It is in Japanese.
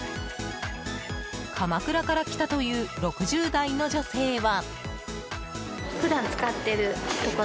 鎌倉から来たという６０代の女性は。